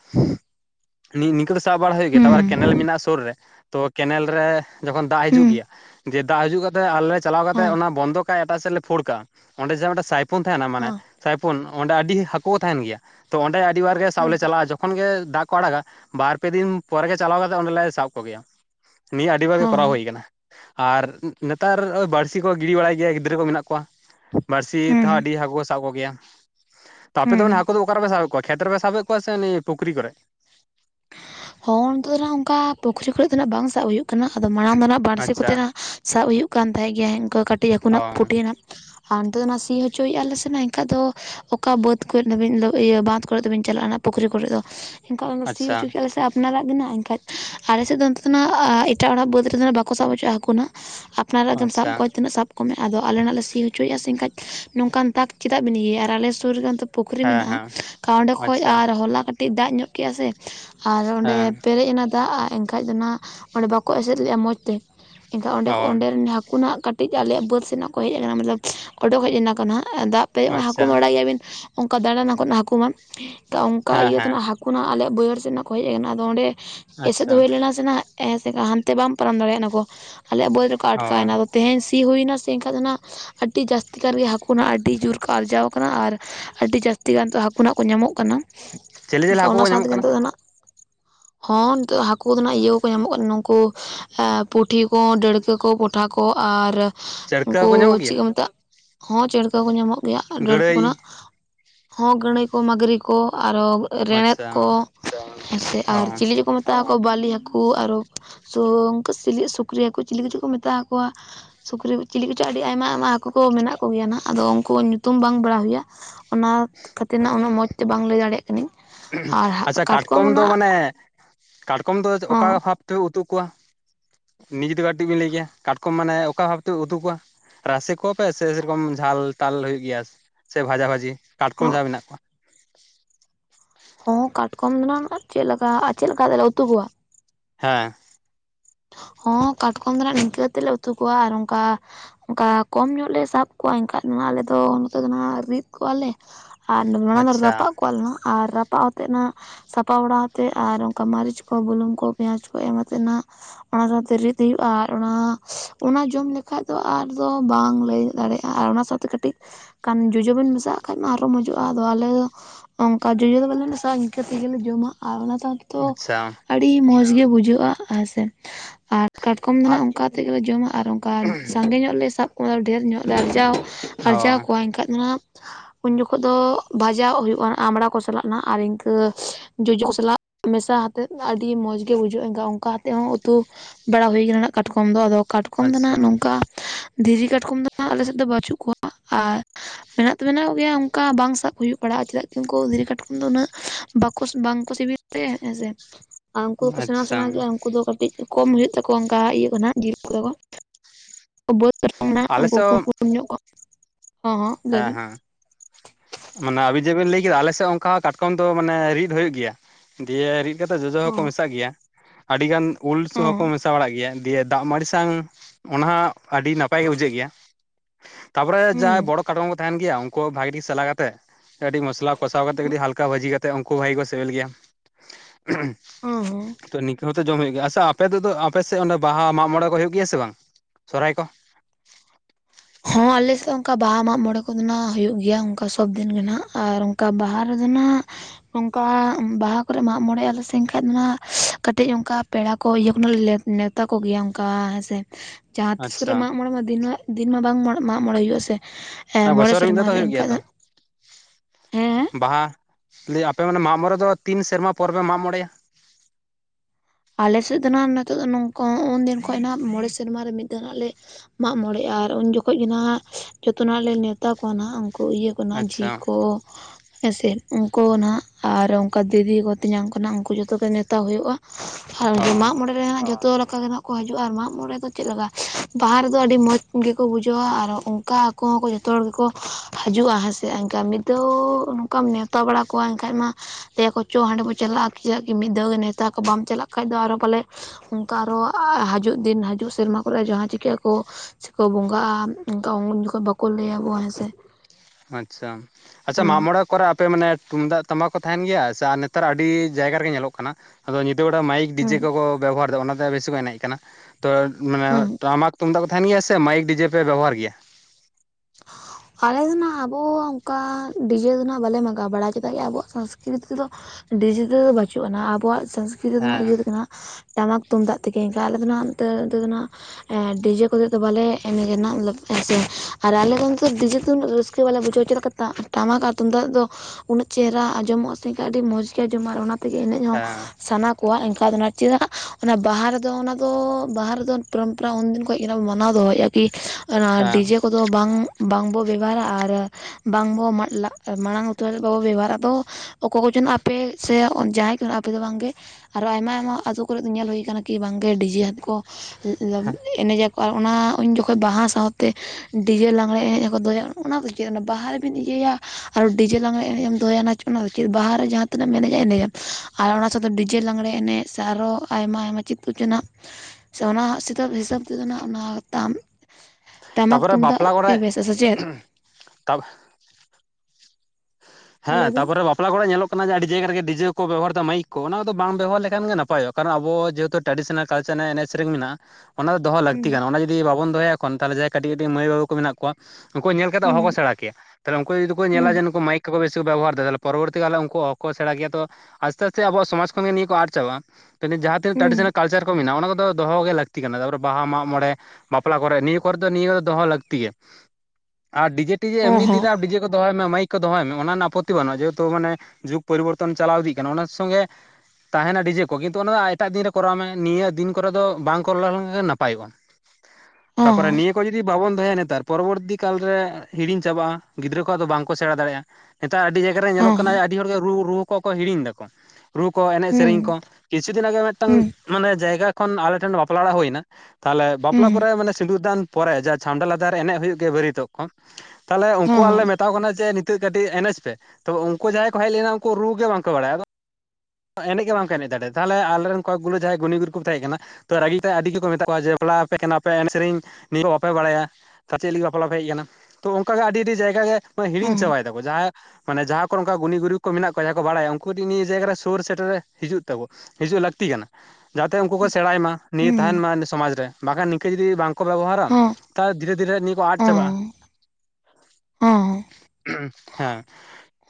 ᱱᱤᱜ ᱱᱤᱝᱠᱟᱹ ᱥᱟᱵᱽ ᱵᱟᱲᱟ ᱦᱩᱭᱩᱜ ᱜᱮᱭᱟ ᱛᱟ ᱦᱩᱸ ᱵᱟᱨ ᱠᱮᱱᱮᱞ ᱢᱮᱱᱟᱜᱼᱟ ᱥᱩᱨ ᱨᱮ ᱛᱚ ᱠᱮᱱᱮᱞ ᱨᱮ ᱡᱚᱠᱷᱚᱱ ᱫᱟᱜᱽ ᱦᱤᱡᱩᱜ ᱦᱩᱸ ᱜᱮᱭᱟ ᱡᱮ ᱫᱟᱜᱽ ᱦᱤᱡᱩᱜ ᱠᱟᱛᱮ ᱟᱞᱮ ᱪᱟᱞᱟᱣ ᱠᱟᱛᱮ ᱦᱚᱸ ᱚᱱᱟ ᱵᱚᱱᱫᱚ ᱠᱟᱜᱼᱟ ᱮᱴᱟᱜ ᱥᱮᱫ ᱞᱮ ᱯᱷᱩᱲ ᱠᱟᱜᱼᱟ ᱚᱸᱰᱮ ᱡᱮ ᱢᱤᱫ ᱴᱮᱡ ᱥᱟᱭ ᱯᱩᱱ ᱛᱟᱦᱮᱱᱟ ᱢᱟᱱᱮ ᱦᱚᱸ ᱥᱟᱭᱯᱷᱩᱱ ᱚᱸᱰᱮ ᱟᱹᱰᱤ ᱦᱟᱹᱠᱩ ᱠᱩ ᱛᱟᱦᱮᱱ ᱜᱮᱭᱟ᱾ ᱛᱚ ᱚᱸᱰᱮ ᱟᱹᱰᱤ ᱵᱟᱨ ᱜᱮ ᱥᱟᱵ ᱞᱮ ᱦᱩᱸ ᱪᱟᱞᱟᱜᱼᱟ ᱡᱚᱠᱷᱚᱱ ᱜᱮ ᱫᱟᱠ ᱠᱚ ᱟᱲᱟᱜᱟ ᱵᱟᱨ ᱯᱮ ᱫᱤᱱ ᱯᱚᱨᱮ ᱜᱮ ᱪᱟᱞᱟᱣ ᱠᱟᱛᱮᱜ ᱚᱸᱰᱮᱞᱮ ᱥᱟᱵᱽ ᱠᱚ ᱜᱮᱭᱟ ᱱᱤᱭᱟᱹ ᱟᱹᱰᱤ ᱵᱟᱨ ᱜᱮ ᱠᱚᱨᱟᱣ ᱦᱚᱸ ᱦᱩᱭ ᱠᱟᱱᱟ᱾ ᱟᱨ ᱱᱮᱛᱟᱨ ᱵᱟᱹᱲᱥᱤ ᱠᱚ ᱜᱤᱰᱤ ᱵᱟᱲᱟᱭ ᱜᱮᱭᱟ ᱜᱤᱫᱽᱨᱟᱹ ᱠᱚ ᱢᱮᱱᱟᱜ ᱠᱚᱣᱟ᱾ ᱵᱟᱹᱲᱥᱤ ᱛᱮᱦᱚᱸ ᱦᱩᱸ ᱟᱹᱰᱤ ᱦᱟᱹᱠᱩ ᱠᱚ ᱥᱟᱵ ᱠᱚ ᱜᱮᱭᱟ ᱛᱚ ᱟᱯᱮ ᱦᱩᱸ ᱫᱚ ᱦᱟ ᱚᱠᱟ ᱨᱮᱵᱮ ᱥᱟᱵᱮᱜ ᱠᱚᱣᱟ ᱠᱷᱮᱛ ᱨᱮᱯᱮ ᱥᱟᱵᱮᱜ ᱠᱚᱣᱟ ᱥᱮ ᱱᱤᱭᱟᱹ ᱯᱩᱠᱷᱨᱤ ᱠᱚᱨᱮ᱾ ᱦᱚᱜ ᱚᱱᱛᱮ ᱨᱮᱦᱟᱜ ᱚᱝᱠᱟ ᱯᱩᱠᱷᱨᱤ ᱠᱚᱨᱮᱫ ᱫᱚ ᱱᱟᱸᱜ ᱵᱟᱝ ᱥᱟᱵᱽ ᱦᱩᱭᱩᱜ ᱠᱟᱱᱟ ᱟᱫᱚ ᱢᱟᱲᱟᱝ ᱫᱚ ᱱᱟᱸᱜ ᱵᱟᱹᱲᱥᱤ ᱟᱪᱪᱷᱟ ᱠᱚᱛᱮ ᱱᱟ ᱥᱟᱵᱽ ᱦᱩᱭᱩᱜ ᱠᱟᱱ ᱛᱟᱦᱮᱸ ᱜᱮᱭᱟ ᱦᱮᱱᱠᱚ ᱠᱟᱹᱴᱤᱡᱽ ᱦᱟᱹᱠᱩ ᱚ ᱱᱟᱸᱜ ᱯᱩᱴᱷᱤ ᱱᱟᱸᱜ ᱟᱱ ᱛᱚ ᱫᱚ ᱱᱟᱸᱜ ᱥᱤ ᱚᱪᱚᱭᱮᱜᱼᱟ ᱟᱞᱮ ᱥᱮᱱᱟᱜ ᱮᱱᱠᱷᱟ ᱫᱚ ᱚᱠᱟ ᱵᱟᱹᱫᱽ ᱠᱚᱨᱮ ᱱᱟᱹᱵᱤᱱ ᱱᱟᱹ ᱤᱭᱟᱹ ᱵᱟᱸᱫᱷ ᱠᱚᱨᱮ ᱫᱚᱵᱮᱱ ᱪᱟᱞᱟᱜᱼᱟ ᱱᱟᱜ ᱯᱩᱠᱷᱨᱤ ᱠᱚᱨᱮ ᱫᱚ ᱦᱚᱝᱠᱟ ᱚᱱᱟ ᱥᱤᱨ ᱟᱪᱪᱷᱟ ᱦᱩᱪᱩ ᱠᱮᱜ ᱟᱞᱮ ᱥᱮ ᱟᱯ ᱱᱟᱨᱟᱜ ᱜᱮᱱᱟᱜ ᱮᱱᱠᱷᱟᱡ ᱟᱞᱮ ᱥᱮᱫ ᱫᱚ ᱚᱱᱛᱮ ᱫᱚ ᱱᱟᱸᱜ ᱮᱴᱟᱜ ᱚᱲᱟᱜ ᱵᱟᱹᱫᱽ ᱨᱮᱫᱚ ᱵᱟᱠᱚ ᱥᱟᱵᱽ ᱦᱚᱪᱚᱜᱼᱟ ᱦᱟᱹᱠᱩ ᱱᱟᱸᱜ ᱯᱟᱱᱟᱨᱟᱜ ᱛᱮᱢ ᱥᱟᱵᱽ ᱟᱪᱪᱷᱟ ᱠᱚᱣᱟ ᱛᱤᱱᱟᱹᱜ ᱥᱟᱵ ᱠᱚᱢᱮᱜᱼᱟ ᱟᱫᱚ ᱟᱞᱮ ᱱᱟᱸᱜ ᱞᱮ ᱥᱤ ᱦᱚᱪᱚᱭᱟ ᱥᱮ ᱮᱱᱠᱷᱟᱡ ᱱᱚᱝᱠᱟᱱ ᱛᱟᱠ ᱪᱮᱫᱟᱜ ᱵᱤᱱ ᱤᱭᱟᱹᱭᱟ ᱟᱨ ᱟᱞᱮ ᱥᱩᱨ ᱨᱮ ᱛᱟ ᱯᱩᱠᱷᱨᱤ ᱦᱮᱸ ᱦᱮᱸ ᱢᱮᱱᱟᱜᱼᱟ ᱚᱸᱣᱰᱮ ᱠᱚᱡᱽ ᱟᱪᱪᱷᱟ ᱟᱨ ᱦᱚᱞᱟ ᱠᱟᱹᱴᱤᱡᱽ ᱫᱟᱜᱽ ᱧᱚᱜ ᱠᱮᱫᱼᱟ ᱥᱮ ᱟ ᱟᱫᱚ ᱦᱮᱸ ᱚᱸᱰᱮ ᱯᱮᱨᱮᱡᱽ ᱮᱱᱟ ᱫᱟᱜᱽ ᱟ ᱮᱱᱠᱷᱟᱡᱽ ᱫᱚ ᱱᱟᱸᱜ ᱚᱸᱰᱮ ᱵᱟᱠᱚ ᱮᱥᱮᱫ ᱞᱮᱼᱟ ᱢᱚᱡᱽ ᱛᱮ ᱤᱝᱠᱷᱟ ᱚᱸᱰᱮ ᱚ ᱠᱷᱚ ᱚᱸᱰᱮ ᱨᱮᱱ ᱦᱟᱹᱠᱩ ᱱᱟᱸᱜ ᱠᱟᱴ ᱴᱤᱡᱽ ᱟᱞᱮᱭᱟᱜ ᱵᱟᱹᱫᱽ ᱥᱮᱱᱟᱜ ᱠᱚ ᱦᱮᱡᱽ ᱞᱮᱱᱟ ᱢᱟᱹᱛᱞᱟᱹᱵ ᱚᱰᱳᱠ ᱦᱮᱡᱽ ᱞᱮᱱᱟ ᱠᱚ ᱱᱟᱸᱜ ᱫᱟᱜᱽ ᱛᱮ ᱦᱟᱹᱠᱩ ᱟᱪᱪᱷᱟ ᱵᱟᱲᱟᱭ ᱭᱟᱵᱤᱱ ᱚᱝᱠᱟ ᱫᱟᱬᱟ ᱱᱟᱠᱚ ᱱᱟᱸᱜ ᱦᱟᱹᱠᱩ ᱢᱟ ᱛᱚ ᱚᱝᱠᱟ ᱦᱮᱸ ᱤᱭᱟᱹ ᱦᱮᱸ ᱛᱮᱱᱟᱜ ᱦᱟᱹᱠᱩ ᱱᱟᱸᱜ ᱟᱞᱮ ᱵᱟᱹᱭᱦᱟᱹᱲ ᱥᱮᱫ ᱱᱟᱸᱜ ᱠᱚ ᱦᱮᱡ ᱟᱠᱟᱱᱟ ᱟᱫᱚ ᱚᱸᱰᱮ- ᱮᱥᱮᱫ ᱟᱪᱪᱷᱟ ᱦᱩᱭ ᱞᱮᱱᱟ ᱥᱮᱱᱟᱜ ᱮ ᱥᱮᱜᱜᱟ ᱦᱟᱱᱛᱮ ᱵᱟᱢ ᱯᱟᱲᱟᱢ ᱫᱟᱲᱮᱭᱟᱜ ᱱᱟ ᱠᱚ ᱟᱞᱮᱭᱟᱜ ᱵᱟᱹᱫᱽ ᱨᱮᱠᱚ ᱚ ᱟᱴᱠᱟᱭᱮᱱᱟ ᱠᱚ ᱛᱮᱦᱮᱧ ᱥᱤ ᱦᱩᱭ ᱱᱟ ᱥᱮ ᱮᱝᱠᱟ ᱫᱚ ᱱᱟᱸᱜ ᱟᱹᱰᱤ ᱡᱟᱹᱥᱛᱤ ᱠᱟᱨ ᱜᱮ ᱦᱟᱹᱠᱩ ᱱᱟᱸᱜ ᱟᱹᱰᱤ ᱡᱩᱨ ᱠᱚ ᱟᱨᱡᱟᱣ ᱟᱠᱟᱱᱟ ᱟᱨ ᱟᱹᱰᱤ ᱡᱟᱹᱥᱛᱤ ᱜᱟᱱ ᱫᱚ ᱦᱟᱹᱠᱩ ᱱᱟᱸᱜ ᱠᱚ ᱧᱟᱢᱚᱜ ᱠᱟᱱᱟ ᱪᱤᱞᱤ ᱪᱤᱞᱤ ᱦᱟᱹᱠᱩ ᱚᱱᱟ ᱠᱚ ᱥᱟᱶᱛᱮ ᱧᱟᱢᱚᱜ ᱜᱮ ᱠᱟᱱᱟ ᱫᱚ ᱱᱟᱸᱜ ᱦᱚᱸ ᱱᱤᱛᱳᱜ ᱫᱚ ᱦᱟᱹᱠᱩ ᱫᱚ ᱱᱟᱜ ᱤᱭᱟᱹᱣ ᱠᱚ ᱧᱟᱢᱚᱜ ᱠᱟᱱᱟ ᱱᱩᱝᱠᱩ [unintelligible] ᱯᱩᱴᱷᱤ ᱠᱚ ᱰᱟᱹᱲᱠᱟᱹ ᱠᱚ ᱯᱚᱴᱷᱟ ᱠᱚ ᱟᱨ [inaudible] ᱪᱟᱹᱲᱠᱟᱹ ᱩᱱᱠᱩ ᱦᱟᱹᱠᱩ ᱧᱟᱢᱚᱜ ᱜᱮᱭᱟ ᱪᱤᱜ ᱠᱚ ᱢᱮᱛᱟᱜ ᱦᱚᱸ [unintelligible] ᱠᱚ ᱧᱟᱢᱚᱜ ᱜᱮᱭᱟ ᱟᱨ ᱰᱟᱹᱲᱠᱟᱹ ᱜᱟᱹᱲᱟᱹᱭ ᱠᱷᱚᱱᱟᱜ᱾ ᱦᱚᱸ ᱜᱟᱹᱲᱟᱹᱭ ᱠᱚ ᱢᱟᱹᱜᱽᱨᱤ ᱠᱚ ᱟᱨᱚ [unintelligible] ᱨᱮᱲᱮᱫ ᱟᱪᱪᱷᱟ ᱠᱚ ᱦᱮᱸ ᱥᱮ ᱚ ᱟᱨ ᱪᱤᱞᱤ ᱪᱩᱠᱩ [unintelligible] [unintelligible] ᱵᱟᱹᱞᱤ ᱦᱟᱹᱠᱩ ᱟᱨᱚ [unintelligible] ᱪᱤᱞᱤ ᱥᱩᱠᱨᱤ ᱦᱟᱹᱠᱩ ᱪᱤᱞᱤ ᱠᱚᱪᱚ ᱠᱚ ᱢᱮᱛᱟᱣ ᱟᱠᱚᱣᱟ ᱥᱩᱠᱨᱤ [unintelligible] ᱪᱤᱞᱤ ᱠᱚᱪᱚ ᱟᱹᱰᱤ ᱟᱭᱢᱟ ᱟᱭᱢᱟ ᱦᱟᱹᱠᱩ ᱠᱚ ᱢᱮᱱᱟᱜ ᱠᱚ ᱜᱮᱭᱟ ᱱᱟᱜ ᱟᱫᱚ ᱩᱱᱠᱩᱣᱟᱜ ᱧᱩᱛᱩᱢ ᱵᱟᱝ ᱵᱟᱲᱟᱭ ᱦᱩᱭᱟ᱾ ᱚᱱᱟ ᱠᱷᱟᱹᱛᱤᱨ ᱱᱟᱜ ᱩᱱᱟᱹᱜ ᱢᱚᱡᱽᱛᱮ ᱵᱟᱝ ᱞᱟᱹᱭ ᱫᱟᱲᱮᱜ [unintelligible] ᱟᱪᱪᱷᱟ ᱠᱟᱴᱠᱚᱢ ᱫᱚ ᱢᱟᱱᱮ ᱠᱟᱴᱠᱚᱢ ᱫᱚ [unintelligible] ᱚᱠᱟ ᱦᱚᱸ ᱵᱷᱟᱵᱽᱛᱮ ᱩᱛᱩ ᱠᱚᱣᱟ ᱱᱤᱡᱮ ᱛᱮ ᱠᱟᱹᱴᱤᱡ ᱵᱤᱱ ᱞᱟᱹᱭ ᱠᱮᱭᱟ ᱠᱟᱴᱠᱚᱢ ᱢᱟᱱᱮ ᱚᱠᱟ ᱵᱷᱟᱵᱽᱛᱮ ᱩᱛᱩ ᱠᱚᱣᱟ ᱨᱟᱥᱮ ᱠᱚᱣᱟᱯᱮ ᱥᱮ ᱥᱮᱨᱚᱠᱚᱢ ᱡᱷᱟᱞ-ᱛᱟᱞ ᱦᱩᱭᱩᱜ ᱜᱮᱭᱟ [unintelligible] ᱥᱮ ᱵᱷᱟᱡᱟ-ᱵᱷᱟᱹᱡᱤ ᱠᱟᱴᱠᱚᱢ ᱦᱚᱸ ᱡᱟᱦᱟᱸ ᱢᱮᱱᱟᱜ ᱠᱚᱣᱟ᱾ ᱦᱚᱸ ᱠᱟᱴᱠᱚᱢ ᱫᱚᱱᱟᱜ ᱪᱮᱫ ᱞᱮᱠᱟ ᱟᱨ ᱪᱮᱫ ᱞᱮᱠᱟᱛᱮᱞᱮ ᱩᱛᱩ ᱠᱚᱣᱟ᱾ ᱦᱮᱸ ᱦᱚᱸ ᱠᱟᱴᱠᱚᱢ ᱫᱚᱦᱱᱟᱜ ᱱᱤᱝᱠᱟᱹ ᱛᱮᱞᱮ ᱩᱛᱩ ᱠᱚᱣᱟ ᱟᱨ ᱚᱝᱠᱟ ᱱᱚᱠᱟ ᱠᱚᱢ ᱧᱚᱜᱞᱮ ᱥᱟᱵᱠᱚᱣᱟ [unintelligible] ᱟᱞᱮᱫᱚ ᱱᱚᱛᱮ ᱫᱚ ᱦᱟᱸᱜ ᱨᱤᱫ ᱠᱚᱣᱟᱯᱮ [inaudible] ᱟᱨ ᱢᱟᱲᱟᱝ ᱫᱚᱞᱮ [unintelligible] ᱟᱪᱪᱷᱟ ᱨᱟᱯᱟᱜ ᱠᱚᱣᱟᱞᱮ ᱟᱨ [unintelligible] ᱥᱟᱯᱷᱟ ᱟᱛᱮ ᱱᱟᱜ ᱥᱟᱯᱷᱟ ᱵᱟᱲᱟ ᱠᱟᱛᱮ ᱟᱨ ᱚᱱᱠᱟ ᱢᱟᱹᱨᱤᱪ ᱠᱚ ᱵᱩᱞᱩᱝ ᱠᱚ ᱯᱮᱸᱭᱟᱡᱽ ᱠᱚ ᱮᱢ ᱟᱛᱮ ᱱᱟᱜ ᱚᱱᱟ ᱥᱟᱶᱛᱮ ᱨᱤᱫ ᱦᱩᱭᱩᱜᱼᱟ ᱟᱨ ᱚᱱᱟ ᱚᱱᱟ ᱡᱚᱢ ᱞᱮᱠᱷᱟᱡ ᱫᱚ ᱟᱨᱫᱚ ᱵᱟᱝ ᱞᱟᱹᱭ ᱫᱟᱲᱮᱭᱟᱜᱼᱟ ᱟᱨ ᱚᱱᱟ ᱥᱟᱶᱛᱮ [unintelligible] ᱠᱟᱹᱴᱤᱡ ᱠᱟᱱ ᱡᱚᱡᱚᱵᱤᱱ ᱢᱮᱥᱟᱜ ᱠᱷᱟᱡ ᱢᱟ ᱟᱨᱚ ᱢᱚᱡᱚᱜᱼᱟ ᱟᱫᱚ ᱟᱞᱮ ᱫᱚ ᱚᱱᱠᱟ ᱡᱚᱡᱚ ᱫᱚ ᱵᱟᱞᱮ ᱢᱟᱥᱟ ᱤᱱᱠᱟᱹ ᱛᱮᱜᱮᱞᱮ ᱡᱚᱢᱟ ᱟᱨ ᱚᱱᱟ ᱥᱟᱶᱛᱮ ᱛᱚ ᱟᱪᱪᱷᱟ ᱟᱹᱰᱤ ᱢᱚᱡᱽ ᱜᱮ ᱵᱩᱡᱷᱟᱹᱜᱼᱟ ᱦᱮᱸ ᱥᱮ ᱟᱨ ᱠᱟᱴᱠᱚᱢ ᱟᱨ ᱫᱚᱱᱟᱜ ᱚᱱᱠᱟ ᱛᱮᱜᱮᱞᱮ ᱡᱚᱢᱟ ᱟᱨ ᱚᱱᱠᱟ ᱥᱟᱸᱜᱮ ᱧᱚᱜ ᱞᱮ ᱥᱟᱵ ᱠᱚᱣᱟ ᱰᱷᱮᱹᱨ ᱧᱚᱜ ᱞᱮ ᱟᱨᱡᱟᱣ ᱚ ᱟᱨᱡᱟᱣ ᱠᱚᱣᱟ ᱮᱱᱠᱟᱡ ᱚᱱᱟ [inaudible] ᱩᱱ ᱡᱚᱠᱷᱚᱱ ᱫᱚ ᱵᱷᱟᱡᱟ ᱦᱩᱭᱩᱜᱼᱟ ᱟᱢᱲᱟ ᱠᱚ ᱥᱟᱞᱟᱜ ᱱᱟᱜ ᱟᱨ ᱤᱱᱠᱟᱹ ᱡᱚᱡᱚ ᱠᱚ ᱥᱟᱞᱟᱜ ᱢᱮᱥᱟ ᱟᱛᱮᱫ ᱟᱹᱰᱤ ᱢᱚᱸᱡᱽ ᱜᱮ ᱵᱩᱡᱷᱟᱹᱣᱜᱼᱟ [unintelligible] ᱚᱱᱠᱟ ᱟᱛᱮᱫ ᱦᱚᱸ ᱩᱛᱩ ᱵᱟᱲᱟ ᱦᱩᱭ ᱠᱟᱱᱟ ᱱᱟᱜ ᱠᱟᱴᱠᱚᱢ ᱫᱚ ᱟᱫᱚ ᱠᱟᱴᱠᱚᱢ ᱫᱚ ᱟᱪᱪᱷᱟ ᱱᱟᱜ ᱱᱚᱝᱠᱟ ᱫᱷᱤᱨᱤ ᱠᱟᱴᱠᱚᱢ ᱫᱚ ᱱᱟᱜ ᱟᱞᱮᱥᱮᱫ ᱫᱚ ᱵᱟᱹᱪᱩᱜ ᱠᱚᱣᱟ ᱟᱨ ᱢᱮᱱᱟᱜ ᱫᱚ ᱢᱮᱱᱟᱜ ᱠᱚ ᱜᱮᱭᱟ ᱚᱱᱠᱟ ᱵᱟᱝ ᱥᱟᱵ ᱦᱩᱭᱩᱜ [unintelligible] ᱪᱮᱫᱟᱜ ᱠᱤ ᱩᱱᱠᱩ ᱫᱷᱤᱨᱤ ᱠᱟᱴᱠᱚᱢ ᱫᱚ ᱩᱱᱟᱹᱜ ᱵᱟᱠᱚ ᱵᱟᱝᱠᱚ ᱥᱤᱵᱤᱞᱛᱮ ᱦᱮᱸᱥᱮ ᱟᱨ ᱩᱱᱠᱩ ᱠᱚ ᱥᱮᱬᱟ ᱟᱪᱪᱷᱟ ᱥᱮᱬᱟ ᱜᱮᱭᱟ ᱩᱱᱠᱩ ᱫᱚ ᱠᱟᱹᱴᱤᱡ ᱠᱚᱢ ᱦᱩᱭᱩᱜ ᱛᱟᱠᱚᱣᱟ ᱚᱱᱠᱟ ᱤᱭᱟᱹ ᱠᱷᱚᱱᱟᱜ ᱡᱤᱞ [unintelligible] [unintelligible] ᱵᱟᱺᱫᱽ ᱠᱟᱴᱠᱚᱢ ᱱᱟᱜ ᱟᱞᱮ ᱩᱱᱠᱩ ᱥᱮᱫ ᱯᱩᱸᱰ ᱦᱚᱸ ᱯᱩᱸᱰ ᱧᱚᱜ ᱠᱚ ᱦᱚᱸ ᱦᱚᱸ ᱞᱟᱹᱭ ᱦᱮᱸ ᱵᱤᱱ ᱦᱮᱸ ᱢᱟᱱᱮ ᱟᱹᱵᱤᱱ ᱡᱮᱵᱮᱱ ᱞᱟᱹᱭ ᱠᱮᱫᱟ ᱟᱞᱮᱥᱮᱫ ᱚᱱᱠᱟ ᱠᱟᱴᱠᱚᱢ ᱫᱚ ᱢᱟᱱᱮ ᱨᱤᱫᱽ ᱦᱩᱭᱩᱜ ᱜᱮᱭᱟ ᱫᱤᱭᱮ ᱨᱤᱫᱽ ᱪᱮᱠᱟᱛᱮ ᱡᱚᱡᱚ ᱦᱚᱸᱠᱚ ᱦᱚᱸ ᱢᱮᱥᱟᱜ ᱜᱮᱭᱟ ᱟᱹᱰᱤ ᱜᱟᱱ ᱩᱞ [unintelligible] ᱦᱚᱸ ᱦᱚᱸᱠᱚ ᱢᱮᱥᱟ ᱵᱟᱲᱟᱣᱟᱜ ᱜᱮᱭᱟ ᱫᱤᱭᱮ ᱫᱟᱜ ᱢᱟᱺᱰᱤ ᱥᱟᱶ ᱚᱱᱟ ᱟᱹᱰᱤ ᱱᱟᱯᱟᱭ ᱜᱮ ᱵᱩᱡᱷᱟᱹᱜ ᱜᱮᱭᱟ ᱛᱟᱯᱚᱨᱮ ᱡᱟᱦᱟᱸᱭ ᱦᱚᱸ [unintelligible] ᱠᱟᱴᱠᱚᱢ ᱠᱚ ᱛᱟᱦᱮᱱ ᱜᱮᱭᱟ ᱩᱱᱠᱩ ᱵᱷᱟᱹᱜᱤ ᱴᱷᱤᱠ ᱥᱟᱞᱟ ᱠᱟᱛᱮᱜ ᱠᱟᱹᱴᱤᱡ ᱢᱚᱥᱞᱟ ᱠᱚᱥᱟᱣ ᱠᱟᱛᱮᱜ ᱦᱚᱸ ᱠᱟᱹᱴᱤᱡ ᱦᱟᱞᱠᱟ ᱵᱷᱟᱹᱡᱤ [unintelligible] ᱛᱮ ᱩᱱᱠᱩ ᱵᱷᱟᱜᱮ ᱠᱚ ᱥᱤᱵᱤᱞ ᱜᱮᱭᱟ [unintelligible] ᱦᱚᱸ ᱦᱚᱸ ᱛᱚ ᱱᱤᱝᱠᱟᱹ ᱦᱚᱸᱛᱚ ᱡᱚᱢ ᱦᱩᱭᱩᱜ ᱜᱮᱭᱟ ᱟᱪᱷᱟ ᱟᱯᱮ ᱛᱮᱫᱚ ᱟᱯᱮᱥᱮᱫ ᱚᱱᱟ ᱵᱟᱦᱟ ᱢᱟᱜ ᱢᱚᱬᱮ ᱠᱚ ᱦᱩᱭᱩᱜ ᱜᱮᱭᱟ ᱥᱮ ᱵᱟᱝ ᱥᱚᱦᱨᱟᱭ ᱠᱚ ᱦᱚᱸ ᱟᱞᱮᱥᱮᱫ ᱫᱚ ᱚᱱᱠᱟ ᱵᱟᱦᱟ ᱢᱟᱜ ᱢᱚᱬᱮ ᱠᱚᱫᱚ ᱱᱟᱜ ᱦᱩᱭᱩᱜ ᱜᱮᱭᱟ ᱚᱱᱠᱟ ᱥᱚᱵᱫᱤᱱ ᱜᱮ ᱦᱟᱜ ᱟᱨ ᱚᱱᱠᱟ ᱵᱟᱦᱟ ᱨᱮᱫᱚ ᱱᱟᱜ ᱚᱝᱠᱟ ᱵᱟᱦᱟ ᱠᱚᱨᱮ ᱢᱟᱜ ᱢᱚᱬᱮ ᱟᱞᱮ ᱥᱮ ᱮᱱᱠᱷᱟᱡ [unintelligible] ᱠᱟᱹᱴᱤᱡ ᱚᱝᱠᱟ ᱯᱮᱲᱟ ᱠᱚ [unintelligible] ᱠᱷᱚᱱᱟᱜ [unintelligible] ᱱᱮᱣᱛᱟ ᱠᱚᱜᱮᱭᱟ ᱚᱱᱠᱟ ᱦᱮᱸᱥᱮ ᱡᱟᱦᱟᱸ ᱛᱤᱥ ᱠᱚᱨᱮ ᱟᱪᱪᱷᱟ ᱢᱟᱜ ᱢᱚᱬᱮ ᱢᱟ [unintelligible] ᱫᱤᱱ ᱢᱟ ᱵᱟᱝ ᱢᱟᱜ ᱢᱚᱬᱮ ᱦᱩᱭᱩᱜ ᱟᱥᱮ ᱦᱮᱸ ᱵᱚᱪᱷᱚᱨ ᱨᱮ ᱢᱤᱫ ᱫᱷᱟᱣ ᱫᱚ ᱦᱩᱭᱩᱜ ᱜᱮᱭᱟ ᱛᱚ ᱦᱮᱸ [inaudible] ᱵᱟᱦᱟ ᱞᱟᱹᱭ ᱟᱯᱮ ᱢᱟᱱᱮ ᱢᱟᱜ ᱢᱚᱬᱮ ᱫᱚ ᱛᱤᱱ ᱥᱮᱨᱢᱟ ᱯᱚᱨ ᱯᱮ ᱢᱟᱜ ᱢᱚᱬᱮᱭᱟ ᱟᱞᱮ ᱥᱮᱫ ᱫᱚ ᱱᱟᱜ ᱱᱤᱛᱚᱜ ᱫᱚ ᱱᱚᱝᱠᱟ ᱩᱱᱫᱤᱱ ᱠᱷᱚᱡ ᱱᱟᱜ ᱢᱚᱬᱮ ᱥᱮᱨᱢᱟ ᱨᱮ ᱢᱤᱫ ᱫᱷᱟᱣ ᱦᱟᱜᱞᱮ ᱢᱟᱜ ᱢᱚᱬᱮ ᱟᱨ ᱩᱱ ᱡᱚᱠᱷᱚᱱ ᱜᱮ ᱱᱟᱦᱟᱜ ᱡᱚᱛᱚᱱᱟᱜ ᱞᱮ ᱱᱮᱣᱛᱟ ᱠᱚᱣᱟ ᱱᱟᱦᱟᱜ ᱩᱱᱠᱩ ᱤᱭᱟᱹ [unintelligible] ᱢᱟᱺᱡᱷᱤ ᱟᱪᱪᱷᱟ ᱠᱚ ᱦᱮᱸᱥᱮ ᱩᱱᱠᱩ ᱱᱟᱦᱟᱜ ᱟᱨ ᱚᱱᱠᱟ ᱫᱤᱫᱤ ᱠᱚ ᱛᱮᱧᱟᱝ ᱠᱚ ᱱᱟᱜ ᱩᱱᱠᱩ ᱡᱚᱛᱚ ᱜᱮ ᱱᱮᱣᱛᱟ ᱦᱩᱭᱩᱜᱼᱟ [inaudible] ᱟᱨ ᱚ ᱩᱱᱡᱚᱦᱚᱜ ᱢᱟᱜ ᱢᱚᱬᱮ ᱨᱮ ᱡᱚᱛᱚ ᱞᱮᱠᱟ ᱜᱮ ᱱᱟᱜ ᱠᱚ ᱦᱟᱹᱡᱩᱜᱼᱟ ᱢᱟᱜ ᱢᱚᱬᱮ ᱫᱚ ᱪᱮᱫ ᱞᱮᱠᱟ ᱵᱟᱦᱟ ᱨᱮᱫᱚ ᱟᱹᱰᱤ ᱢᱚᱡᱽ ᱜᱮᱠᱚ ᱵᱩᱡᱷᱟᱹᱣᱟ ᱟᱨᱚ [unintelligible] ᱚᱱᱠᱟ ᱟᱠᱚ ᱦᱚᱸᱠᱚ ᱡᱚᱛᱚ ᱦᱚᱲ ᱜᱮᱠᱚ ᱦᱟᱹᱡᱩᱜᱼᱟ ᱦᱮᱸᱥᱮ ᱮᱱᱠᱟ ᱢᱤᱫ ᱫᱷᱟᱣ ᱚᱱᱠᱟᱢ ᱱᱮᱣᱛᱟ ᱵᱟᱲᱟ ᱠᱚᱣᱟ ᱮᱱᱠᱷᱟᱡ ᱢᱟ ᱞᱟᱹᱭ ᱟᱠᱚ ᱪᱚ ᱦᱟᱸᱰᱮ ᱵᱚ ᱪᱟᱞᱟᱜᱼᱟ᱾ ᱪᱮᱫᱟᱜ ᱠᱤ ᱢᱤᱫ ᱫᱷᱟᱣ ᱜᱮ ᱱᱮᱣᱛᱟ ᱠᱟ ᱵᱟᱢ ᱪᱟᱞᱟᱜ ᱠᱷᱟᱡ ᱫᱚ ᱟᱨᱚ ᱯᱟᱞᱮ ᱚᱱᱠᱟ ᱟᱨᱚ ᱦᱤᱡᱩᱜ ᱫᱤᱱ ᱦᱤᱡᱩᱜ ᱥᱮᱨᱢᱟ ᱠᱚᱨᱮᱜ ᱡᱟᱦᱟᱸ ᱪᱤᱠᱟᱹ ᱠᱚ ᱥᱮᱠᱚ ᱵᱚᱸᱜᱟᱜᱼᱟ, ᱚᱱᱠᱟ ᱩᱱ ᱡᱚᱠᱷᱚᱱ ᱵᱟᱠᱚ ᱞᱟᱹᱭ ᱟᱵᱚᱜᱼᱟ ᱦᱮᱸ ᱥᱮ ᱟᱪᱪᱷᱟ ᱟᱪᱪᱷᱟ ᱢᱟᱜ ᱢᱚᱬᱮ ᱠᱚᱨᱮ ᱟᱯᱮ ᱢᱟᱱᱮ ᱛᱩᱢᱫᱟᱜ ᱴᱟᱢᱟᱠ ᱠᱚ ᱛᱟᱦᱮᱱ ᱜᱮᱭᱟ, ᱥᱮ ᱟᱨ ᱱᱮᱛᱟᱨ ᱟᱹᱰᱤ ᱡᱟᱭᱜᱟ ᱨᱮᱜᱮ ᱧᱮᱞᱚᱜ ᱠᱟᱱᱟ᱾ ᱟᱫᱚ ᱧᱤᱫᱟᱹ ᱵᱮᱲᱟ ᱢᱟᱭᱤᱠ ᱰᱤᱡᱮ ᱦᱩᱸ ᱠᱚᱠᱚ ᱵᱮᱵᱚᱦᱟᱨᱫᱟ᱾ ᱚᱱᱟᱛᱮ ᱵᱮᱥᱤ ᱠᱚ ᱮᱱᱮᱡ ᱠᱟᱱᱟ᱾ ᱛᱚ ᱢᱟᱱᱮ ᱦᱩᱸ ᱴᱟᱢᱟᱠ ᱛᱩᱢᱫᱟᱜ ᱠᱚ ᱛᱟᱦᱮᱱ ᱜᱮᱭᱟ ᱥᱮ, ᱢᱟᱭᱤᱠ ᱰᱤᱡᱮ ᱯᱮ ᱵᱮᱵᱚᱦᱟᱨ ᱜᱮᱭᱟ? ᱟᱞᱮ ᱫᱚ ᱟᱸᱜ ᱟᱵᱚ ᱚᱱᱠᱟ ᱰᱤᱡᱮ ᱫᱚ ᱱᱟᱸᱜ ᱵᱟᱞᱮ ᱢᱟᱜᱟᱣ ᱵᱟᱲᱟ ᱪᱮᱫᱟᱜ ᱜᱮ ᱟᱵᱚᱣᱟᱜ ᱥᱚᱝᱥᱠᱨᱤᱛ ᱨᱮᱫᱚ ᱰᱤᱡᱤᱴᱮᱞ ᱫᱚ ᱵᱟᱪᱩᱜ ᱟᱱᱟ, ᱟᱵᱚᱣᱟᱜ ᱥᱚᱝᱥᱠᱨᱤᱛᱤ ᱫᱚᱱᱟᱜ ᱦᱮᱸ ᱤᱭᱟᱹ ᱛᱮ ᱫᱚ ᱠᱟᱱᱟ ᱴᱟᱢᱟᱠ ᱛᱩᱢᱫᱟᱜ ᱛᱮᱜᱮ, ᱮᱱᱠᱟᱱ ᱟᱞᱮ ᱫᱚ ᱱᱟᱜ ᱛᱮ ᱱᱚᱛᱮ ᱫᱚ ᱱᱟᱜ ᱰᱤᱡᱮ ᱠᱚᱨᱮ ᱫᱚ ᱵᱟᱞᱮ ᱮᱱᱮᱡᱼ ᱟ ᱱᱟᱜ ᱞᱟᱹ ᱦᱮᱸᱥᱮ ᱟᱨ ᱟᱞᱮ ᱫᱚ ᱱᱤᱛᱚᱜ ᱰᱤᱡᱮ ᱛᱮ ᱩᱱᱟᱹᱜ ᱨᱟᱹᱥᱠᱟᱹ ᱵᱟᱞᱮ ᱵᱩᱡᱷᱟᱹᱣᱟ, ᱪᱮᱫᱟᱜ ᱛᱮ ᱴᱟᱢᱟᱠ ᱟᱨ ᱛᱩᱢᱫᱟᱜ ᱫᱚ ᱩᱱᱟᱹᱜ ᱪᱮᱦᱨᱟ ᱟᱸᱡᱚᱢᱚᱜᱼᱟ ᱥᱮ ᱠᱷᱟᱱ ᱟᱹᱰᱤ ᱢᱚᱸᱡᱽ ᱜᱮ ᱟᱸᱡᱚᱢᱟ᱾ ᱟᱨ ᱚᱱᱟ ᱛᱮᱜᱮ ᱮᱱᱮᱡ ᱦᱚᱸ ᱦᱮᱸ ᱥᱟᱱᱟ ᱠᱚᱣᱟ ᱮᱱᱠᱟᱱ ᱫᱚ ᱚᱱᱟ ᱪᱮᱫᱟᱜ ᱚᱱᱟ ᱵᱟᱦᱟ ᱨᱮᱫᱚ ᱚᱱᱟ ᱫᱚ, ᱵᱟᱦᱟ ᱨᱮᱫᱚ ᱯᱚᱨᱚᱢᱯᱚᱨᱟ ᱩᱱᱫᱤᱱ ᱠᱷᱚᱡ ᱜᱮ ᱢᱟᱱᱟᱣ ᱫᱚᱦᱚᱭᱮᱫ ᱟ᱾ ᱠᱤ ᱚᱱᱟ ᱦᱮᱸ ᱰᱤᱡᱮ ᱠᱚᱫᱚ ᱵᱟᱝ ᱵᱟᱝ ᱵᱚ ᱵᱮᱵᱷᱟᱨᱼᱟ᱾ ᱟᱨ ᱵᱟᱝ ᱵᱚ ᱢᱟᱼᱞᱟ ᱢᱟᱲᱟᱝ ᱩᱛᱟᱹᱨ ᱨᱮ ᱵᱟᱵᱚ ᱵᱮᱵᱷᱟᱨᱼᱟ ᱫᱚ ᱚᱠᱚᱭ ᱠᱚᱪᱚ ᱱᱟᱜ ᱯᱮ ᱥᱮ ᱡᱟᱦᱟᱸᱭ ᱠᱚ ᱱᱟᱜ ᱟᱯᱮ ᱫᱚ ᱵᱟᱝᱜᱮ᱾ ᱟᱨᱚ ᱟᱭᱢᱟ - ᱟᱭᱢᱟ ᱟᱹᱛᱩ ᱠᱚᱨᱮ ᱫᱚ ᱧᱮᱞ ᱦᱩᱭ ᱠᱟᱱᱟ, ᱠᱤ ᱵᱟᱝᱜᱮ ᱰᱤᱡᱮ ᱦᱟᱝ ᱠᱚ [unintelligible] ᱮᱱᱮᱡᱟ ᱠᱚ ᱟᱨ ᱚᱱᱟ ᱩᱱ ᱡᱚᱠᱷᱚᱡ ᱵᱟᱦᱟ ᱥᱟᱶᱛᱮ ᱰᱤᱡᱮ ᱞᱟᱝ ᱞᱟᱝᱜᱲᱮ ᱮᱱᱮᱡ ᱠᱚ ᱫᱚᱦᱚᱭᱼᱟ ᱾ ᱚᱱᱟᱫᱚ ᱪᱮᱫ ᱚᱱᱟ ᱵᱟᱦᱟ ᱨᱮᱵᱤᱱ ᱤᱭᱟᱹᱭᱟ᱾ ᱟᱨᱚ ᱰᱤᱡᱮ ᱞᱟᱸᱜᱲᱮ ᱮᱱᱮᱡ ᱮᱢ ᱫᱚᱦᱚᱭᱟ ᱢᱟᱡᱠᱷᱟᱱᱮ ᱫᱚ ᱪᱮᱫ ᱵᱟᱦᱟ ᱨᱮ ᱡᱟᱦᱟᱸ ᱛᱤᱱᱟᱹᱢ ᱮᱱᱮᱡᱟ - ᱮᱱᱮᱡᱟᱢ ᱟᱨ ᱚᱱᱟ ᱥᱟᱶᱛᱮ ᱰᱤᱡᱮ ᱞᱟᱜᱜᱽᱲᱮ ᱮᱱᱮᱡ ᱥᱮ ᱟᱨᱚ ᱟᱭᱢᱟ - ᱟᱭᱢᱟ ᱪᱮᱫ ᱠᱚᱪᱚᱱ ᱦᱟᱸᱜ ᱥᱮ ᱚᱱᱟ ᱦᱟᱸᱜ ᱥᱤᱛᱟᱹᱯ ᱦᱤᱥᱟᱹᱵ ᱛᱮᱫᱚᱱ ᱦᱟᱸᱜ ᱟᱱᱟ ᱛᱟᱢ ᱴᱟᱢᱟᱠ ᱛᱩᱢᱫᱟᱜ ᱜᱮ ᱵᱮᱥᱟ ᱥᱮ ᱪᱮᱫ? ᱮᱸ ᱛᱚᱵ ᱢᱟ ᱞᱟᱹᱭ ᱦᱮᱸ ᱵᱮᱱ? ᱛᱟᱯᱚᱨᱮ ᱵᱟ ᱴᱚᱞᱟ ᱠᱚᱨᱮ ᱧᱮᱞᱚᱜ ᱠᱟᱱᱟ, ᱡᱮ ᱟᱹᱰᱤ ᱡᱟᱭᱜᱟ ᱨᱮᱜᱮ ᱰᱤᱡᱮ ᱠᱚ ᱵᱮᱵᱚᱦᱟᱨᱫᱟ᱾ ᱢᱟᱹᱭᱤᱠ ᱠᱚ ᱚᱱᱟ ᱠᱚᱫᱚ ᱵᱟᱝ ᱵᱮᱵᱚᱦᱟᱨ ᱞᱮᱠᱷᱟᱱ ᱜᱮ ᱱᱟᱯᱟᱭᱚᱜᱼᱟ᱾ ᱠᱟᱨᱚᱱ ᱟᱵᱩ ᱡᱮᱦᱮᱛᱩ ᱴᱮᱨᱮᱰᱤᱸᱥᱚᱱᱟᱞ ᱠᱟᱞᱪᱟᱨ ᱱᱤᱭᱮ ᱮᱱᱮᱡ ᱥᱮᱨᱮᱧ ᱢᱮᱱᱟᱜᱼᱟ᱾ ᱚᱱᱟ ᱫᱚᱦᱚ ᱞᱟᱹᱠᱛᱤ ᱦᱩᱸ ᱠᱟᱱᱟ, ᱚᱱᱟ ᱡᱩᱫᱤ ᱵᱟᱵᱚᱱ ᱫᱚᱦᱚᱭᱟ, ᱠᱚᱱᱛᱷ ᱛᱟᱦᱞᱮ ᱡᱮ ᱠᱟᱹᱴᱤᱡ ᱠᱟᱹᱴᱤᱡ ᱢᱟᱹᱭ ᱵᱟᱹᱵᱩ ᱠᱚ ᱢᱮᱱᱟᱜ ᱠᱚᱣᱟ ᱩᱱᱠᱩ ᱧᱮᱞ ᱠᱟᱛᱮᱫ ᱚᱦᱚ ᱠᱚ ᱦᱩᱸ ᱥᱮᱬᱟ ᱠᱮᱭᱟ᱾ ᱛᱟᱦᱚᱞᱮ ᱩᱱᱠᱩ ᱡᱩᱫᱤ ᱠᱚ ᱧᱮᱞᱟ ᱡᱮ ᱦᱩᱸ ᱱᱩᱠᱩ ᱢᱟᱭᱤᱠ ᱠᱚ ᱵᱮᱥᱤ ᱠᱚ ᱵᱮᱵᱚᱦᱟᱨᱫᱟ ᱛᱟᱦᱚᱞᱮ ᱯᱚᱨᱚᱵᱳᱨᱛᱤ ᱠᱟᱞᱨᱮ ᱩᱱᱠᱩ ᱚᱠᱚᱭ ᱥᱮᱬᱟ ᱜᱮᱭᱟ ᱛᱚ ᱟᱥᱛᱮ ᱟᱥᱛᱮ ᱟᱵᱚᱣᱟᱼᱜ ᱥᱚᱢᱟᱡ ᱠᱷᱚᱱ ᱜᱮ ᱱᱤᱭᱟᱹ ᱠᱚ ᱟᱫ ᱪᱟᱵᱟᱼᱟ᱾ ᱡᱟᱦᱟᱸ ᱛᱤᱱᱟᱹᱜ ᱴᱨᱟᱰᱤᱥᱚᱱᱟᱞ ᱦᱩᱸ ᱠᱟᱞᱪᱟᱨ ᱠᱚ ᱢᱮᱱᱟᱜ ᱚᱱᱟᱼᱟ ᱠᱚ ᱫᱚ ᱫᱚᱦᱚ ᱜᱮ ᱞᱟᱹᱠᱛᱤ ᱠᱟᱱᱟ᱾ ᱛᱟᱯᱚᱨᱮ ᱵᱟᱦᱟ ᱢᱟᱜ ᱢᱚᱬᱮ ᱵᱟᱯᱞᱟ ᱠᱚᱨᱜ ᱱᱤᱭᱟᱹ ᱠᱚᱨᱮ ᱫᱚ, ᱱᱤᱭᱟᱹ ᱫᱚ ᱫᱚᱦᱚ ᱞᱟᱹᱠᱛᱤ ᱜᱮ, ᱟᱨ ᱰᱤᱡᱤ ᱴᱤᱡᱮ ᱦᱚᱸ ᱮᱢᱱᱤ ᱫᱤᱱ ᱦᱚᱸ ᱨᱮ ᱟᱨ ᱰᱤᱡᱮ ᱠᱚ ᱫᱚᱦᱚᱭ ᱢᱮ, ᱢᱟᱭᱤᱠ ᱠᱚ ᱫᱚᱦᱚᱭ ᱢᱮ ᱚᱱᱟ ᱨᱮᱱᱟᱜ ᱟᱯᱚᱛᱛᱤ ᱵᱟᱱᱩᱜᱼᱟ᱾ ᱡᱮᱦᱮᱛᱩ ᱢᱟᱱᱮ ᱡᱩᱜ ᱯᱚᱨᱤᱵᱚᱨᱛᱚᱱ ᱪᱟᱞᱟᱣ ᱤᱫᱤᱜ ᱠᱟᱱᱟ᱾ ᱚᱱᱟ ᱥᱚᱸᱜᱮ ᱛᱟᱦᱮᱱᱟ ᱰᱤᱡᱮ ᱠᱚ, ᱠᱤᱱᱛᱩ ᱚᱱᱟ ᱫᱚ ᱮᱴᱟᱜ ᱫᱤᱱ ᱨᱮ ᱠᱚᱨᱟᱣ ᱢᱮ, ᱱᱤᱭᱟᱹ ᱫᱤᱱ ᱠᱚᱨᱮ ᱫᱚ ᱵᱟᱝ ᱠᱚᱨᱟᱣ ᱞᱮᱱᱠᱷᱟᱱ ᱜᱮ ᱱᱟᱯᱟᱭᱚᱜᱼᱟ᱾ [inaudible] ᱛᱟᱯᱚᱨᱮ ᱱᱤᱭᱟᱹ ᱠᱚ ᱡᱩᱫᱤ ᱵᱟᱵᱚᱱ ᱫᱚᱦᱚᱭᱟ, ᱱᱮᱛᱟᱨ ᱯᱚᱨᱚᱵᱚᱨᱛᱤ ᱠᱟᱞ ᱨᱮ ᱦᱤᱲᱤᱧ ᱪᱟᱵᱟᱜᱼᱟ᱾ ᱜᱤᱫᱽᱨᱟᱹ ᱠᱚ ᱟᱫᱚ ᱵᱟᱝ ᱠᱚ ᱥᱮᱬᱟ ᱫᱟᱲᱮᱜᱼᱟ᱾ ᱱᱮᱛᱟᱨ ᱟᱹᱰᱤ ᱡᱟᱭᱜᱟ ᱨᱮ ᱧᱮᱞᱚᱜ ᱠᱟᱱᱟ᱾ ᱦᱚᱸ ᱦᱚᱸ ᱟᱹᱰᱤ ᱦᱚᱲ ᱜᱮ ᱨᱩᱻᱨᱩ ᱠᱚᱠᱚ ᱦᱤᱲᱤᱧ ᱫᱟᱠᱚ ᱨᱩ ᱠᱚ, ᱮᱱᱮᱡ ᱥᱮᱨᱮᱧ ᱠᱚ, ᱦᱩᱸ ᱦᱩᱸ ᱠᱤᱪᱷᱩ ᱫᱤᱱ ᱟᱜᱮ ᱢᱤᱫᱴᱟᱝ ᱦᱩᱸ ᱢᱟᱱᱮ ᱡᱟᱭᱜᱟ ᱠᱷᱚᱱ ᱟᱞᱮ ᱴᱷᱮᱱ ᱵᱟᱯᱞᱟ ᱚᱲᱟᱜ ᱦᱩᱭᱱᱟ ᱛᱷᱟᱞᱮ ᱵᱟᱯᱞᱟ ᱦᱚᱸ ᱯᱚᱨᱮ ᱢᱟᱱᱮ ᱥᱤᱸᱫᱩᱨ ᱫᱟᱱ ᱯᱚᱨᱮ ᱡᱟ ᱪᱷᱟᱢᱰᱟ ᱞᱟᱛᱟᱨ ᱨᱮ ᱮᱱᱮᱡ ᱦᱩᱭᱩᱜ ᱜᱮᱭᱟ ᱵᱟᱹᱨᱤᱛᱚᱜ ᱛᱟᱦᱚᱞᱮ ᱩᱱᱠᱩ ᱟᱞᱮ ᱦᱚᱸ ᱢᱮᱛᱟᱣ ᱠᱟᱱᱟ ᱡᱮ ᱱᱤᱛᱚᱜ ᱠᱟᱹᱴᱤᱡ ᱮᱱᱮᱡ ᱯᱮ, ᱛᱚ ᱩᱱᱠᱩ ᱡᱟᱦᱟᱸᱭ ᱠᱚ ᱦᱮᱡ ᱞᱮᱱᱟ ᱩᱱᱠᱩ ᱨᱩ ᱜᱮ ᱵᱟᱝᱠᱚ ᱵᱟᱲᱟᱭᱟ᱾ᱟᱫᱚ ᱮᱱᱮᱡ ᱜᱮ ᱵᱟᱝᱠᱚ ᱮᱱᱮᱡ ᱫᱟᱲᱮᱭᱟᱜ ᱛᱟᱦᱚᱞᱮ ᱟᱞᱮ ᱨᱮᱱ ᱠᱚᱜ ᱜᱩᱞᱩ ᱡᱟᱦᱟᱸᱭ ᱜᱩᱱᱤ ᱜᱩᱨ ᱠᱚ ᱛᱟᱦᱮᱸ ᱠᱟᱱᱟ ᱛᱚ ᱨᱟᱹᱜᱤ ᱛᱮ ᱟᱹᱰᱤ ᱜᱮᱠᱚ ᱢᱮᱛᱟᱜ ᱠᱚᱣᱟ ᱡᱮ, ᱵᱚᱞᱟᱣ ᱟᱯᱮ ᱠᱟᱱᱟ ᱟᱯᱮ ᱮᱱᱮᱡ ᱥᱮᱨᱮᱧ ᱱᱤᱛᱚᱜ ᱵᱟᱯᱮ ᱵᱟᱲᱟᱭᱟ᱾ ᱛᱟ ᱪᱮᱫ ᱞᱟᱹᱜᱤᱫ ᱵᱟᱯᱞᱟ ᱯᱮ ᱦᱮᱡ ᱟᱠᱟᱱᱟ, ᱛᱚ ᱚᱱᱠᱟ ᱜᱮ ᱟᱹᱰᱤ- ᱟᱹᱰᱤ ᱡᱟᱭᱜᱟ ᱜᱮ ᱦᱤᱲᱤᱧ ᱪᱟᱵᱟᱭ ᱫᱟᱠᱚ ᱡᱟᱦᱟᱸᱭ ᱢᱟᱱᱮ ᱡᱟᱦᱟᱸ ᱠᱚᱨᱮ ᱚᱱᱠᱟ ᱜᱩᱱᱤ ᱜᱩᱨᱤᱵ ᱠᱚ ᱢᱮᱱᱟᱜ ᱠᱚᱣᱟ, ᱡᱟᱦᱟᱸ ᱠᱚ ᱵᱟᱲᱟᱭᱟ ᱩᱱᱠᱩ ᱠᱟᱹᱴᱤᱡ ᱱᱤᱭᱟᱹ ᱡᱟᱭᱜᱟ ᱨᱮᱥ ᱛᱟᱛᱳᱨᱮ ᱥᱮᱴᱮᱨᱮ ᱦᱤᱡᱩᱜ ᱛᱟᱹᱵᱩ ᱦᱤᱡᱩᱜ ᱞᱟᱹᱠᱛᱤ ᱠᱟᱱᱟ᱾ ᱡᱟᱛᱮ ᱩᱱᱠᱩ ᱠᱚ ᱥᱮᱲᱟᱭ ᱢᱟ᱾ ᱱᱤᱭᱟᱹ ᱛᱟᱦᱮᱸᱱ ᱢᱟ ᱦᱩᱸ ᱱᱤ ᱥᱚᱢᱟᱡ ᱨᱮ, ᱵᱟᱠᱷᱟᱱ ᱱᱤᱝᱠᱟᱹ ᱡᱩᱫᱤ ᱵᱟᱝ ᱠᱚ ᱵᱮᱵᱚᱦᱟᱨᱟ ᱦᱚᱸ ᱛᱟᱦ ᱫᱷᱤᱨᱮ-ᱫᱷᱤᱨᱮ ᱱᱤᱭᱟᱹ ᱠᱚ ᱟᱫ ᱪᱟᱵᱟᱜᱼᱟ᱾ ᱦᱚᱸ ᱦᱚᱸ ᱦᱮᱸ᱾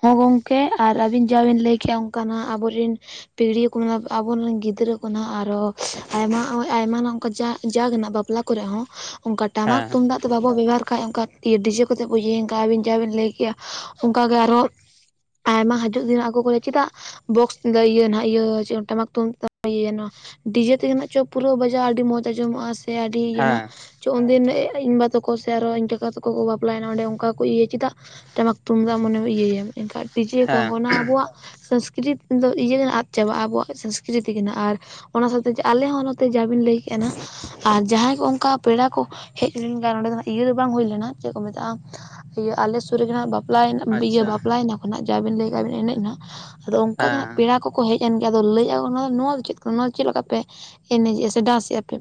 ᱦᱚᱸ ᱜᱚᱝᱠᱮ, ᱟᱨ ᱟᱹᱵᱤᱱ ᱡᱟ ᱵᱮᱱ ᱞᱟᱹᱭ ᱠᱮᱫᱼᱟ ᱾ ᱚᱱᱠᱟᱱᱟᱜ ᱟᱵᱚᱨᱤᱱ ᱯᱤᱲᱦᱤ ᱠᱚᱱᱟᱜ, ᱟᱵᱚ ᱨᱮᱱ ᱜᱤᱫᱽᱨᱟᱹ ᱠᱚ ᱱᱷᱟᱜ, ᱟᱨᱚ ᱦᱼᱮᱼᱥ ᱟᱭᱢᱟ, ᱚᱭ ᱟᱭᱢᱟ ᱱᱚᱝᱠᱟ, ᱡᱟ, ᱡᱟᱜᱽ ᱱᱟᱜ ᱵᱟᱯ ᱞᱟ ᱠᱚᱨᱮ ᱦᱚᱸ, ᱚᱱᱠᱟ ᱴᱟᱢᱟᱠ ᱦᱮᱸ ᱛᱩᱝᱫᱟᱜ ᱵᱟᱵᱚ ᱵᱮᱵᱚᱦᱟᱨ ᱠᱷᱟᱡ, ᱚᱱᱠᱟ ᱰᱤᱡᱮ ᱠᱚᱛᱮ ᱵᱚ ᱤᱭᱟᱹᱭᱮᱱ ᱠᱷᱟᱡ, ᱟᱵᱤᱱ ᱡᱟᱦᱟᱸ ᱵᱤᱱ ᱞᱟᱹᱭ ᱠᱮᱜᱼᱟ ᱾ ᱚᱱᱠᱟᱜᱮ ᱟᱨᱚ ᱟᱭᱢᱟ ᱦᱟᱹᱡᱩᱜ ᱫᱤᱱ ᱦᱟᱸᱜ, ᱟᱠᱚ ᱠᱚ ᱞᱟᱹᱭᱟ ᱪᱮᱫᱟᱜ? ᱵᱚᱠᱥ ᱫᱚ ᱤᱭᱟᱹ ᱱᱷᱟᱸᱜ, ᱤᱭᱟᱹ ᱪᱮ ᱴᱟᱢᱟᱠ ᱛᱩᱢᱫᱟᱜ ᱵᱚᱱ ᱤᱭᱟᱹᱭᱟ ᱱᱚᱣᱟ ᱾ ᱰᱤᱡᱮ ᱛᱮᱜᱮ ᱱᱷᱟᱜ ᱪᱚ ᱯᱩᱨᱟᱹ ᱵᱟᱡᱟᱼᱟ, ᱟᱹᱰᱤ ᱢᱚᱸᱡᱽ ᱟᱸᱡᱚᱢᱚᱜᱼᱟ, ᱥᱮ ᱟᱹᱰᱤ ᱤᱭᱟᱹᱱᱷᱟᱜ᱾ ᱦᱮᱸ ᱪᱚ, ᱩᱱᱫᱤᱱ ᱤᱧ ᱵᱟ ᱛᱟᱠᱚ ᱥᱮ, ᱟᱨᱚ ᱤᱧ ᱠᱟᱠᱟ ᱛᱟᱠᱚ ᱠᱚ ᱵᱟᱯᱞᱟ ᱭᱮᱱᱟ, ᱚᱸᱰᱮ ᱚᱱᱠᱟ ᱠᱚ ᱤᱭᱟᱹᱭᱟ ᱪᱮᱫᱟᱜ? ᱴᱟᱢᱟᱠ, ᱛᱩᱢᱫᱟᱜ, ᱢᱚᱱᱮᱢ ᱤᱭᱟᱭᱟᱢ ᱮᱱᱠᱷᱟᱱ, ᱰᱤᱡᱮ, ᱠᱚᱝ ᱦᱮᱸ ᱜᱚᱱᱟ, ᱟᱵᱚᱱᱟᱜ ᱥᱼᱦ, ᱥᱚᱝᱥᱠᱨᱤᱛ ᱫᱚ, ᱤᱭᱟᱹ ᱟᱫ ᱪᱟᱵᱟᱜᱼᱟ ᱾ ᱟᱵᱚᱣᱟᱜ ᱥᱚᱝᱥᱠᱨᱤᱛᱤ ᱜᱮ ᱟᱨ ᱚᱱᱟ ᱥᱟᱶᱛᱮ ᱡᱮ, ᱟᱞᱮ ᱦᱚᱸ ᱱᱚᱛᱮ ᱡᱟ ᱵᱤᱱ ᱞᱟᱹᱭ ᱠᱮᱫᱼᱟ ᱱᱟᱷᱜ, ᱟᱨ ᱡᱟᱦᱟᱸᱭ ᱠᱚ ᱚᱝᱠᱟ ᱯᱮᱲᱟ ᱠᱚ ᱦᱮᱡ ᱞᱮᱱ ᱜᱮᱭᱟᱭ, ᱱᱚᱸᱰᱮ ᱫᱚ, ᱤᱭᱟᱹ ᱫᱚ ᱵᱟᱝ ᱦᱩᱭ ᱞᱮᱱᱟ, ᱪᱮᱫ ᱠᱚ ᱢᱮᱛᱟᱜᱼᱟ? ᱛᱼᱦ, ᱤᱭᱟᱹ ᱟᱞᱮ ᱥᱩᱨ ᱨᱮᱜᱮ ᱦᱟᱸᱜ ᱵᱟᱯᱽ ᱞᱟ, ᱵᱤᱭᱟᱹ ᱟᱪᱪᱷᱟ ᱵᱟᱯᱞᱟ ᱮᱱᱟ ᱠᱚᱱᱟᱷ, ᱡᱟ ᱵᱤᱱ ᱞᱟᱹᱭ ᱠᱟᱜᱼᱟ, ᱵᱤᱱ ᱮᱱᱮᱡ ᱱᱟᱷ, ᱟᱫᱚ ᱚᱝᱠᱟ ᱜᱮ ᱦᱟᱸᱜ ᱦᱮᱸ ᱯᱮᱲᱟ ᱠᱚ ᱠᱚ ᱦᱮᱡ ᱮᱱ ᱜᱮᱭᱟ, ᱟᱫᱚ ᱞᱟᱹᱭᱮᱫᱼᱟ ᱠᱚ, ᱱᱚᱣᱟ, ᱱᱚᱣᱟ ᱫᱚ ᱪᱮᱫ ᱠᱟᱱᱟ? ᱱᱚᱣᱟ ᱫᱚ ᱪᱮᱫ ᱞᱮᱠᱟ ᱯᱮ ᱮᱱᱮᱡᱮᱜᱼᱟ, ᱥᱮ ᱰᱟᱱᱥᱮᱜᱼᱟ ᱯᱮ?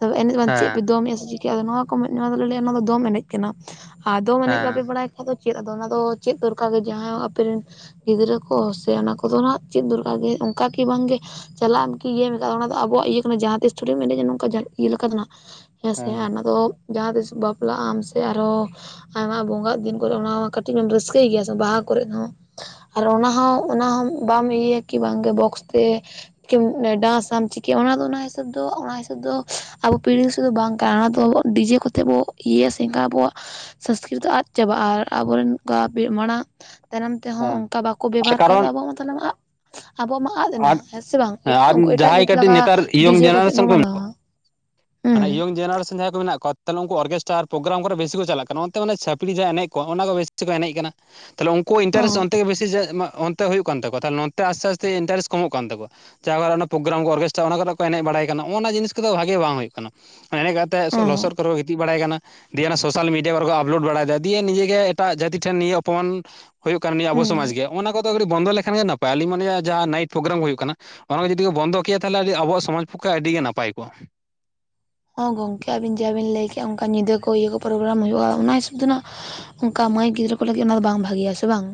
ᱛᱚᱵᱮ ᱮᱱᱮᱡ ᱫᱚ ᱵᱟᱝ ᱪᱮᱫ ᱯᱮ ᱦᱮᱸ ᱫᱚᱢᱮᱜᱼᱟ, ᱥᱮ ᱪᱤᱠᱟ? ᱱᱚᱣᱟ ᱠᱚ, ᱢᱮᱱᱟ ᱱᱚᱣᱟ ᱫᱚᱞᱮ ᱞᱟᱹᱭᱟ, ᱱᱚᱣᱟ ᱫᱚ ᱫᱚᱢ ᱮᱱᱮᱡ᱾ ᱠᱟᱱᱟ ᱾ ᱟᱫᱚ ᱮᱱᱮᱡ ᱵᱟᱯᱮ ᱦᱮᱸ ᱵᱟᱲᱟᱭ ᱠᱷᱟᱡ ᱫᱚ ᱪᱮᱫ? ᱟᱫᱚ ᱚᱱᱟ ᱫᱚ ᱪᱮᱫ ᱫᱚᱨᱠᱟᱨ ᱜᱮ, ᱡᱟᱦᱟᱸ ᱟᱯᱮ ᱨᱮᱱ ᱜᱤᱫᱽᱨᱟᱹ ᱠᱚ, ᱥᱮ ᱚᱱᱟ ᱠᱚᱫᱚ ᱱᱟᱦᱟᱜ ᱪᱮᱫ ᱫᱚᱨᱠᱟᱨ ᱜᱮ, ᱚᱱᱠᱟ ᱠᱤ ᱵᱟᱝ ᱜᱮ ᱪᱟᱞᱟᱜ ᱟᱢ ᱠᱤ ᱤᱭᱟᱹᱢᱮᱠᱷᱟᱱ, ᱚᱱᱟ ᱫᱚ ᱟᱵᱚᱣᱟᱜ, ᱤᱭᱟᱹ ᱠᱟᱱᱟ ᱡᱟᱦᱟᱸ ᱛᱤᱥ ᱛᱷᱩᱲᱤᱢ ᱮᱱᱮᱡᱟ ᱱᱚᱝᱠᱟ ᱾ ᱡᱟᱸᱦᱟᱸ ᱤᱭᱟᱹ ᱞᱮᱠᱟ ᱫᱚ ᱱᱷᱟᱜ ᱦᱼᱦᱼ᱾ ᱦᱮᱸ ᱥᱮ ᱟᱨ ᱚᱱᱟ ᱫᱚ ᱾ ᱡᱟᱦᱟᱸ ᱛᱤᱥ ᱵᱟᱯᱞᱟᱜ ᱟᱢ ᱥᱮ, ᱟᱨᱦᱚᱸ ᱟᱭᱢᱟ ᱵᱚᱸᱜᱟᱜ ᱫᱤᱱ ᱠᱚᱨᱮ ᱚᱱᱟ ᱦᱚᱸ ᱢᱟ ᱠᱟᱹᱴᱤᱡ ᱮᱢ ᱨᱟᱹᱥ ᱪᱤᱠᱟᱹᱭ ᱜᱮᱭᱟ ᱥᱮ, ᱵᱟᱦᱟ ᱠᱚᱨᱮ ᱦᱚᱸ ᱾ ᱟᱨ ᱚᱱᱟ ᱦᱚᱸ, ᱚᱱᱟᱦᱚᱸ ᱵᱟᱢ ᱤᱭᱟᱹᱭᱟ ᱠᱤ ᱵᱟᱝ ᱜᱮ ᱵᱚᱠᱥ ᱛᱮ ᱢ ᱰᱟᱸᱥ ᱟᱢ ᱪᱤᱠᱟᱹᱭᱟᱢ, ᱚᱱᱟ ᱫᱚ ᱚᱱᱟ ᱦᱤᱥᱟᱹᱵᱽ ᱫᱚ, ᱚᱱᱟ ᱦᱤᱥᱟᱹᱵᱽ ᱫᱚ, ᱟᱵᱚ ᱯᱤᱲᱦᱤ ᱦᱤᱥᱟᱹᱵᱽ ᱫᱚ, ᱵᱟᱝ ᱠᱟᱱᱟ ᱾ ᱱᱚᱣᱟ ᱫᱚ ᱰᱤᱡᱮ ᱠᱚᱛᱮ ᱵᱚ ᱤᱭᱟᱹᱭᱟ ᱥᱮ, ᱮᱱᱠᱟᱱ ᱟᱵᱚᱣᱟᱜ ᱥᱚᱝᱥᱠᱨᱤᱛ ᱟᱫ ᱪᱟᱵᱟᱜᱼᱟ ᱾ ᱟᱨ ᱟᱵᱚᱨᱮᱱ ᱠᱟ ᱵᱷᱤ ᱢᱟᱲᱟᱝ ᱛᱟᱭᱱᱚᱢ ᱛᱮᱦᱚ, ᱸ ᱦᱮᱸ ᱚᱱᱠᱟ ᱵᱟᱠᱚ ᱟᱨ ᱵᱮᱵᱷᱟᱨ ᱠᱷᱟᱡ ᱫᱚ, ᱠᱟᱨᱚᱱ ᱟᱵᱣᱟᱜ ᱢᱟ, ᱛᱟᱦᱚᱞᱮ ᱢᱟ ᱟᱫ, ᱟᱵᱚᱣᱟᱜ ᱢᱟ ᱾ ᱟᱫ ᱮᱱᱟ, ᱟᱨ ᱦᱮᱸ ᱥᱮ ᱵᱟᱝ? ᱮᱴ ᱟᱨ ᱩᱱᱠᱩ ᱮᱴᱟᱜ ᱡᱟᱦᱟᱸᱭ ᱡᱟᱹᱛ ᱠᱟᱹᱴᱤᱡ ᱞᱟᱠᱟ ᱱᱮᱛᱟᱨ ᱰᱤᱡᱮ ᱠᱚᱛᱮᱜ ᱵᱚ ᱢᱟᱱᱟᱣᱟ ᱾ ᱟᱱᱮ ᱱᱤ ᱭᱚᱝ ᱡᱮᱱᱟᱨᱮᱥᱚᱱ ᱡᱟᱦᱟᱸᱭ ᱠᱚ ᱢᱮᱱᱟᱜ ᱠᱚᱣᱟ ᱾ ᱛᱟᱦᱚᱞᱮ, ᱩᱱᱠᱩ ᱚᱨᱜᱮᱥᱴᱟᱨ ᱯᱨᱳᱜᱨᱟᱢ ᱠᱚᱨᱮ, ᱟᱹᱵᱤ ᱠᱚ ᱪᱟᱞᱟᱜ ᱠᱟᱱᱟ ᱾ ᱚᱱᱟ ᱛᱮ ᱢᱟᱱᱮ ᱪᱟᱹᱷᱯᱲᱤ ᱡᱟᱦᱟᱸ ᱮᱱᱮᱡ ᱠᱚᱣᱟᱜ, ᱚᱱᱟ ᱠᱚ ᱵᱮ ᱮᱱᱮᱡ ᱠᱟᱱᱟ᱾ ᱛᱟᱦᱚᱞᱮ, ᱩᱱᱠᱩᱣᱟᱜ ᱤᱱᱴᱟᱨᱮᱥ ᱦᱚᱸ ᱚᱱᱛᱮ ᱜᱮ ᱵᱮᱥᱤ ᱚᱱᱛᱮ ᱦᱩᱭᱩᱜ ᱠᱟᱱ ᱛᱟᱠᱚᱣᱟ ᱾ᱛᱟᱦᱚᱞᱮ ᱱᱚᱛᱮ, ᱟᱥᱛᱮ, ᱟᱥᱛᱮ ᱛᱮ, ᱤᱱᱟᱴᱟᱨᱮᱥ ᱠᱚᱢᱚᱜ ᱠᱟᱱ ᱛᱟᱠᱚᱣᱟ ᱾ ᱪᱟᱵᱟ ᱮᱱᱟ, ᱯᱨᱳᱜᱨᱟᱢ ᱠᱚ ᱚᱨᱠᱨᱮᱥᱴᱟ, ᱚᱱᱟ ᱠᱚᱨᱮ ᱠᱚ ᱮᱱᱮᱡ ᱵᱟᱲᱟᱭ ᱠᱟᱱᱟ᱾ ᱚᱼᱚᱱᱟ, ᱡᱤᱱᱤᱥ ᱠᱚᱫᱚ ᱵᱷᱟᱜᱮ ᱵᱟᱝ ᱦᱩᱭᱩᱜ ᱠᱟᱱᱟ ᱾ ᱮᱱᱮᱡ ᱠᱟᱛᱮ, ᱥᱚ ᱦᱚᱸ ᱞᱚᱥᱚᱫ ᱠᱚᱨᱮ ᱠᱚ ᱜᱤᱛᱤᱡ ᱵᱟᱲᱟᱭ ᱠᱟᱱᱟ ᱾ ᱫᱤᱭᱮ ᱚᱱᱟ, ᱥᱳᱥᱟᱞ ᱢᱤᱰᱤᱭᱟ ᱠᱚᱨᱮ ᱠᱚ, ᱟᱯᱞᱳᱰ ᱵᱟᱲᱟᱭᱮᱫᱟ ᱾ ᱫᱤᱭᱮ ᱱᱤᱡᱮ ᱜᱮ ᱮᱴᱟᱜ ᱡᱟᱹᱛᱤ ᱴᱷᱮᱱ, ᱱᱤᱭᱟᱹ ᱚᱯᱚᱢᱟᱱ ᱦᱩᱭᱩᱜ ᱠᱟᱱᱟ ᱾ ᱱᱤᱭᱟᱹ ᱟᱵᱚ ᱥᱚᱢᱟᱡᱽ ᱦᱩᱸ ᱜᱮ ᱾ ᱚᱼᱚᱱᱟ ᱠᱚᱫᱚ ᱠᱟᱹᱴᱤᱡ ᱵᱚᱱᱫᱚ ᱞᱮᱠᱷᱟᱱ ᱜᱮ ᱱᱟᱯᱟᱭᱟ, ᱞᱤᱧ ᱢᱚᱱᱮᱭᱟ ᱾ ᱡᱟᱦᱟᱸ, ᱱᱟᱭᱤᱴ ᱯᱨᱳᱜᱨᱟᱢ ᱠᱚ ᱦᱳᱭᱩᱜ ᱠᱟᱱᱟ, ᱚᱱᱟ ᱠᱚ ᱡᱩᱫᱤ ᱠᱚ ᱵᱚᱱᱫᱚ ᱠᱮᱭᱟ, ᱛᱟᱦᱚᱞᱮ ᱟᱹᱰᱤ ᱟᱵᱚᱣᱟᱜ ᱥᱚᱢᱟᱡᱽ ᱯᱚᱠᱠᱷᱮ, ᱟᱹᱰᱤ ᱜᱮ ᱱᱟᱯᱟᱭ ᱠᱚᱜᱼᱟ ᱾ ᱦᱚᱸ ᱜᱚᱢᱠᱮ, ᱟᱹᱵᱤᱱ ᱡᱟ ᱵᱤᱱ ᱞᱟᱹᱭ ᱠᱮᱜᱼᱟ, ᱚᱱᱠᱟ ᱧᱤᱫᱟᱹ ᱠᱚ, ᱤᱭᱟᱹ ᱠᱚ ᱯᱨᱳᱜᱨᱟᱢ ᱦᱩᱭᱩᱜᱼᱟ ᱾ ᱚᱱᱟ ᱦᱤᱥᱟᱹᱵᱽ ᱫᱚ ᱱᱷᱟᱜ ᱚᱱᱠᱟ, ᱢᱟᱹᱭ ᱜᱤᱫᱽᱨᱟᱹ ᱠᱚ ᱞᱟᱹᱜᱤᱫ, ᱚᱱᱟ ᱫᱚ ᱵᱟᱝ ᱵᱷᱟᱹᱜᱮᱭᱟ, ᱥᱮ ᱵᱟᱝ?